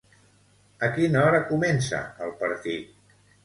A quina hora comença el partit?